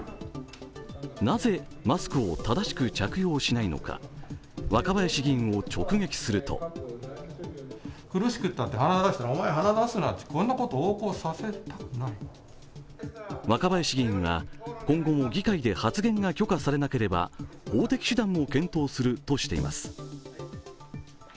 なぜ、マスクを正しく着用しないのか、若林議員を直撃すると若林議員は、今後も議会で発言が許可されなければ法的手段も検討するとしています。